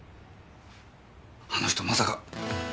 あの人まさか！